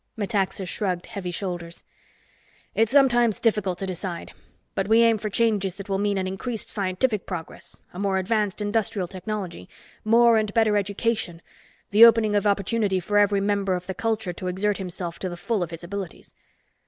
Metaxa shrugged heavy shoulders. "It's sometimes difficult to decide, but we aim for changes that will mean an increased scientific progress, a more advanced industrial technology, more and better education, the opening of opportunity for every member of the culture to exert himself to the full of his abilities.